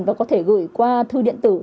và có thể gửi qua thư điện tử